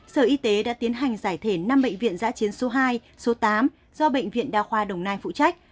sở y tế đã tiến hành giải thể năm bệnh viện giã chiến số hai số tám do bệnh viện đa khoa đồng nai phụ trách